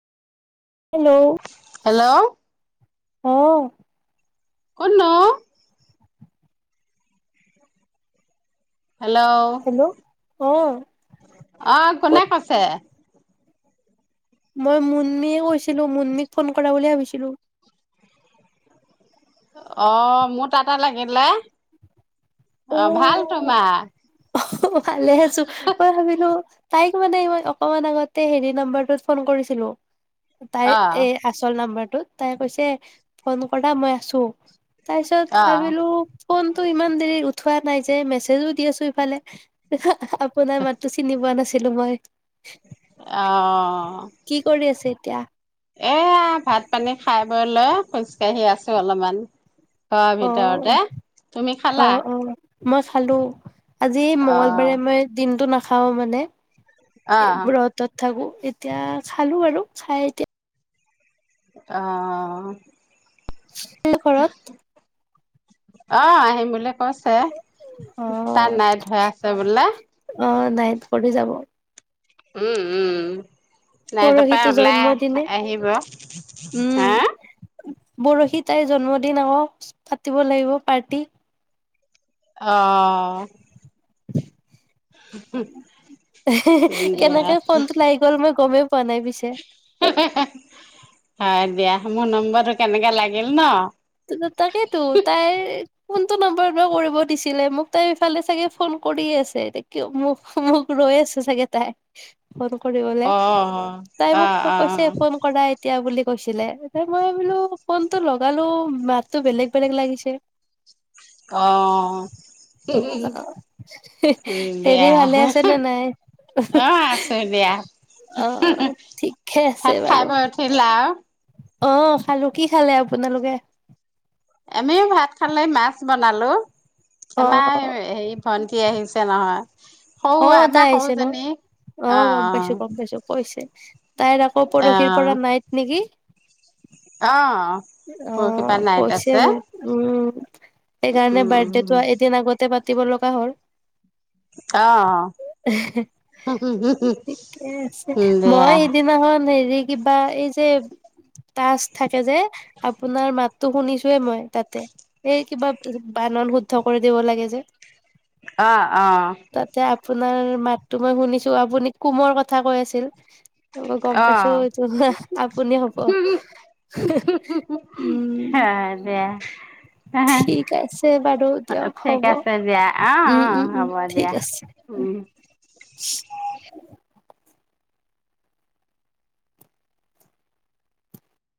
Hello? Hello অ'। কোন নো? হেল্ল'? অ অ' কোনে ক'ত কৈছে? মই মুন্মিয়ে কৈছিলোঁ। মুন্মিক ফোন কৰা বুলি ভাবিছিলোঁ। অ' মোৰ তাতে লাগিলে। ভাল অ' তোমাৰ ভালে আছোঁ। মই ভাবিলোঁ তাইক মানে মই অকমান আগতে হেৰি নাম্বাৰটোত ফোন কৰিছিলোঁ। তাইৰ অ এই আচল নাম্বাৰ টোত তাই কৈছে ফোন কৰা, মই আছোঁ। তাৰপিছত অ ভাবিলোঁ ফোন তো ইমান দেৰি উঠোৱা নাই যে, মেছেজো দি আছোঁ ইফালে। আপোনাৰ মাতো চিনি পোৱা নাছি ছিলোঁ মই। অঁ! কি কৰি আছে এতিয়া? এয়া ভাত - পানী খাই বৈ লৈ। খোজ কাঢ়ি আছোঁ অলপমান। ঘৰ অ অ ভিতৰতে, তুমি অ খালা? অ মই চালোঁ। আজি অ মঙ্গলবাৰে মই দিনটো নাখাওঁ। খাওঁ মানে অ ব্ৰতত থাকোঁ। এতিয়া খালো আৰু খাই এতিয়া অঁ! এই ঘৰত। অ'! আহিম বোলে কৈছে অ তাই নাইট হৈ আছে বোলে। অ'! নাইট কৰি যাব। উম! উম! উ! নাই তাৰপা পৰহিতো ওলাই জন্মদিনে আহিব। উম হা পৰহি তাইৰ জন্মদিন। অ'! পাতিব লাগিব পাৰ্টি। অঁ! [inaudible] [unintelligible] এহে! হে! কেনেকে দিয়া ফোনটো লাগি গ'ল মই গমে পোৱা পোৱা নাই পিছে। হয় দিয়া মোৰ নম্বৰটো কেনেকে লাগিল ন'। ত' তাকেইতো তাইৰ কোনটো নম্বাৰ এ বা কৰিব দিছিলে! মোক তাই ইফালে চাগে ফোন কৰি আছে, কিয় মোক, মোক ৰৈ আছে চাগে তাই। ফোন কৰিবলে অ তাই অ অ মোক কৈছে, ফোন কৰাই? দিয়া বুলি কৈছিলে। এতিয়া মই বোলো ফোনটো লগালোঁ মাততো বেলেগ-বেলেগ লাগিছে। অ'! উম, হেৰি বেয়া! ভালে আছে নে নাই অ'! আছোঁ দিয়া। অ ঠিকে আছে ভাত খাই বাৰু বৈ উঠিলা? অ'! খালোঁ, কি খালে আপুনি? নালগে। আমিও ভাত খালে, মাছ বনালোঁ। অ আমাৰ হেৰি ভন্টি আহিছে নহয়। সৰু অ'! তাই আমাৰ আহিছে ন'। সৰুজনী অ'! গম পাইছোঁ গম পাইছোঁ কৈছে। উ তাইৰ আকৌ অ পৰহীৰ পৰা নাইত নেকি অ অ পৰহি পৰা নাইট কৈছে আছে মোক উম সেইকাৰণে উম বাৰ্থডেটো এদিন আগতে প পাতিব লগা হ'ল অ ঠিকে আছে দিয়া মই সদিনাখন হেৰি কিবা এই যে চ থাকে যে। আপোনাৰ মাতো শুনিছোয়ে মই তাতে এই কিবা বানন শুদ্ধ কৰি দিব লাগে যে আহ অ তাতে আপোনাৰ মাততটো মই শুনিছো আপুনি কুমৰ কথা কৈ আছিল। মই গম অ অ পাইছোতো আপুনি হব। উম অ দে ঠিক আছে বাৰু দিয়ক ঠিক হব আছে দিয়া অ উম অ উম উম হ'ব ঠিক দিয়া আছে উম উ